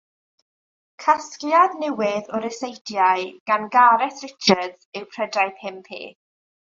Casgliad newydd o ryseitiau gan Gareth Richards yw Prydau Pum Peth.